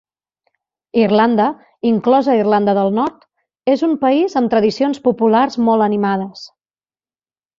Irlanda, inclosa Irlanda del Nord, és un país amb tradicions populars molt animades.